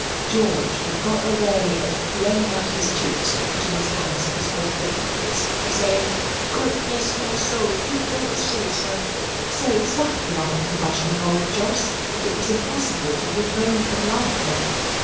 George had got a way of blowing out his cheeks, and putting his hands in his waistcoat pockets, and saying, "God bless my soul, you don't say so," so exactly after the fashion of old Jos that it was impossible to refrain from laughter.